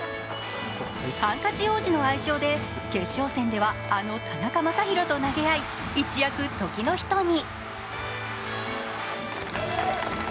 ハンカチ王子の愛称で決勝戦ではあの田中将大と投げ合い一躍、時の人に。